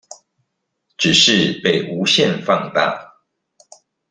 只是被無限放大